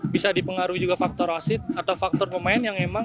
bisa dipengaruhi juga faktor wasit atau faktor pemain yang memang